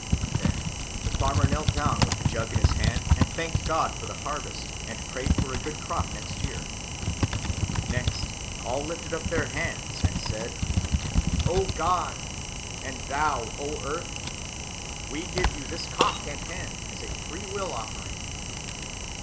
Then the farmer knelt down, with the jug in his hand, and thanked God for the harvest and prayed for a good crop next year. Next all lifted up their hands and said, "O God, and thou, O earth, we give you this cock and hen as a free will offering."